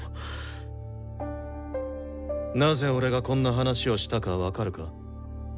なぜ俺がこんな話をしたか分かるか？